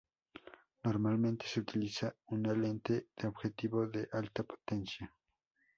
Normalmente se utiliza una lente de objetivo de alta potencia.